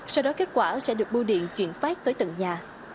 sau đó kết quả sẽ được bu điện chuyển phát tới tận nhà